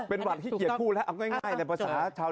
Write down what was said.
เอาง่ายจบ